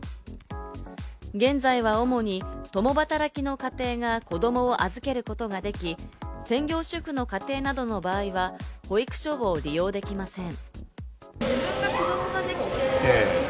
現在は主に共働きの家庭が子供を預けることができ、専業主婦の家庭などの場合は保育所を利用できません。